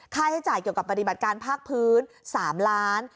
ค่าใช้จ่ายเกี่ยวกับปฏิบัติการภาคพื้น๓ล้าน